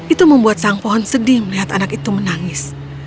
itu membuat sang pohon sedih melihat anak itu menangis